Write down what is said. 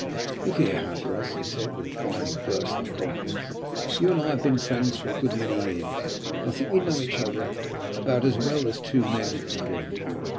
"Look here, Hatteras," he said, with a fine burst of confidence, "you and I have been friends for a good many years, and I think we know each other about as well as two men can do."